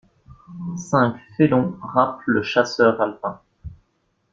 Cinq félons rapent le chasseur alpin.